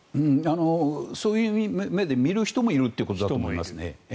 そういう目で見る人もいるということだと思います。